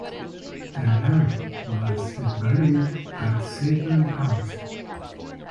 The land was valued at seven pounds.